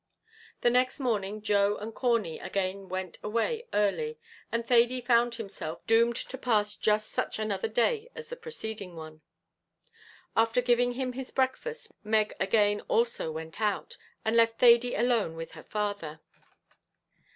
The next morning Joe and Corney again went away early, and Thady found himself doomed to pass just such another day as the preceding one. After giving him his breakfast Meg again also went out, and left Thady alone with her father.